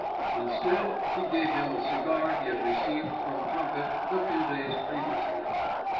—Instead he gave him the cigar he had received from Trumpet a few days previously.